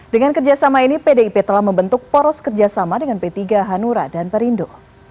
dengan kerjasama ini pdip telah membentuk poros kerjasama dengan p tiga hanura dan perindo